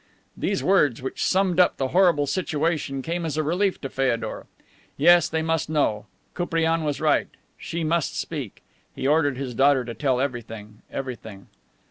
These words, which summed up the horrible situation, came as a relief for Feodor. Yes, they must know. Koupriane was right. She must speak. He ordered his daughter to tell everything, everything.